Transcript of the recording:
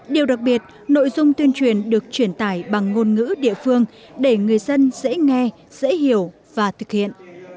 điều đặc biệt nội dung tuyên truyền được truyền tải bằng ngôn ngữ địa phương để người dân dễ nghe dễ hiểu và thực hiện